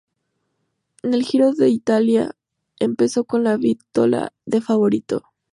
En el Giro de Italia empezó con la vitola de favorito.